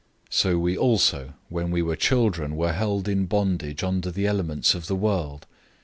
004:003 So we also, when we were children, were held in bondage under the elemental principles of the world.